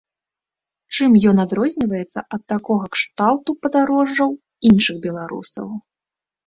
Чым ён адрозніваецца ад такога кшталту падарожжаў іншых беларусаў?